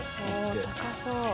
高そう！